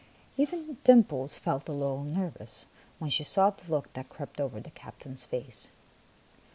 Even Dimples felt a little nervous when she saw the look that crept over the captain's face.